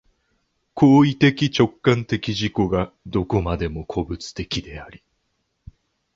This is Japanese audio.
行為的直観的自己がどこまでも個物的であり、